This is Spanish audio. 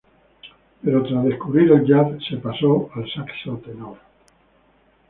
Pero tras descubrir el jazz, se pasa al saxo tenor.